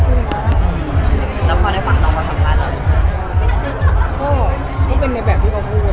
คำว่าสัมภาษณ์มันมีกลี่ประแสดีกับน้องเอง